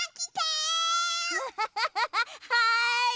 はい。